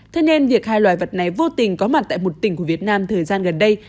thế nên việc hai loài vật này vô tình có mặt tại một tỉnh của việt nam thời gian gần đây